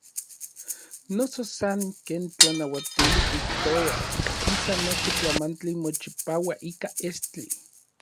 Noso san ken tlanauatili kijtoua, kisa nochi tlamantli mochipaua ika estli.